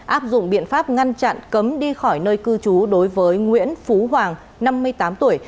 áp dụng biện pháp ngăn chặn cấm đi khỏi nơi cư trú đối với nguyễn phú hoàng năm mươi tám tuổi